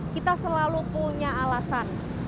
kita selalu punya alasan